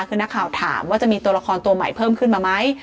คือนักข่าวถามว่าจะมีตัวละครตัวใหม่เพิ่มขึ้นมาไหม